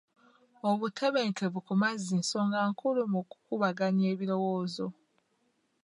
Obutebenkevu ku mazzi nzonga nkulu mu kukubaganya birowoozo.